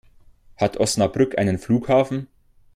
Hat Osnabrück einen Flughafen?